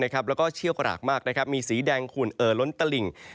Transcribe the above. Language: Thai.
แล้วก็เชี่ยวกรากมากมีสีแดงขุ่นเอ่อล้นตลิ่ง